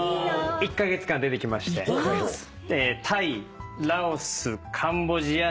１カ月間出てきましてタイラオスカンボジアネパール。